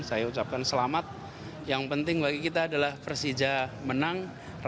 saya ucapkan selamat yang penting bagi kita adalah persija menang